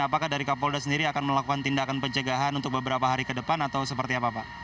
apakah dari kapolda sendiri akan melakukan tindakan pencegahan untuk beberapa hari ke depan atau seperti apa pak